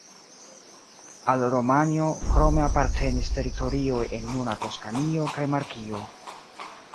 Al Romanjo krome apartenis teritorioj en nuna Toskanio kaj Markio.